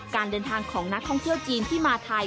การเดินทางของนักท่องเที่ยวจีนที่มาไทย